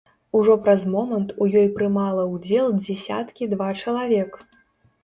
Ужо праз момант у ёй прымала ўдзел дзесяткі два чалавек.